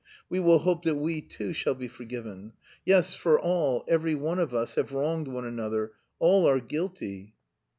We will hope that we too shall be forgiven. Yes, for all, every one of us, have wronged one another, all are guilty!"